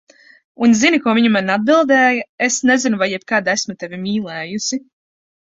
Un zini, ko viņa man atbildēja, "Es nezinu, vai jebkad esmu tevi mīlējusi."